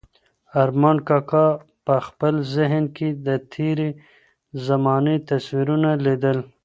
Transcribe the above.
ارمان کاکا په خپل ذهن کې د تېرې زمانې تصویرونه لیدل.